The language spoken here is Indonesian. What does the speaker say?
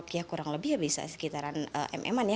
ya kurang lebih bisa sekitaran m m an ya